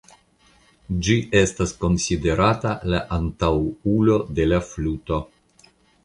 Ĝi estas konsiderata la antaŭulo de la fluto.